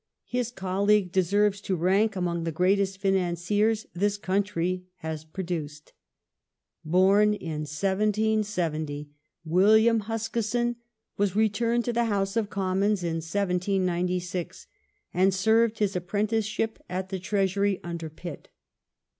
His colleague deserves to rank among the greatest financiei s this country has produced. Huskisson Born in 1770 William Huskisson was returned to the House of Commons in 1796, and served his apprenticeship at the Treasury under Pitt.